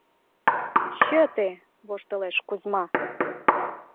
— Чыте! — воштылеш Кузьма.